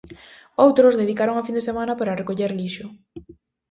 Outros dedicaron a fin de semana para recoller lixo.